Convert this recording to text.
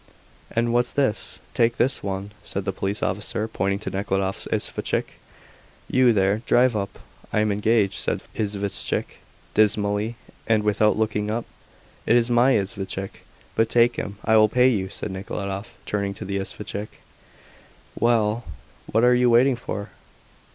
"And what's this? Take this one," said the police officer, pointing to Nekhludoff's isvostchik. "You, there, drive up." "I am engaged," said the isvostchik, dismally, and without looking up. "It is my isvostchik; but take him. I will pay you," said Nekhludoff, turning to the isvostchik. "Well, what are you waiting for?"